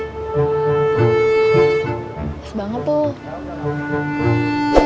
mas banget tuh